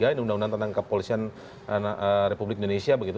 ini undang undang tentang kepolisian republik indonesia begitu